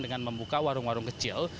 dengan membuka warung warung kecil